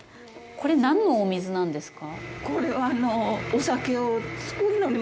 これ、何のお水なんですか？